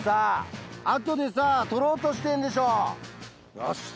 よし！